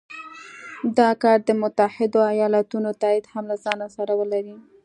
دا کار د متحدو ایالتونو تایید هم له ځانه سره ولري.